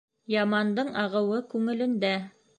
Ямандың ағыуы күңелендә.